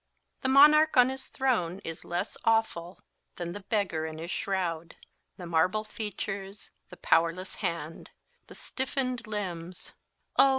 The monarch on his throne is less awful than the beggar in his shroud. The marble features the powerless hand the stiffened limbs oh!